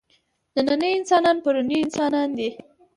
نننی انسان پروني انسان دی.